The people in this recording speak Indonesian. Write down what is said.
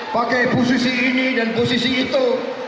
pakai posisi ini dan posisi itu